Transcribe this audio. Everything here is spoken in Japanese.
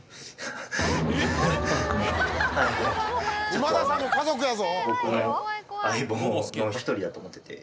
今田さんの家族やぞ。